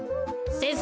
先生！